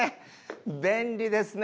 便利ですね